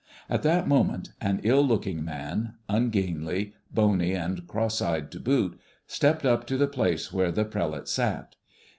At that moment an ill looking man, ungainly, bony, and cross eyed to boot, stepped up to the place where the prelate sat.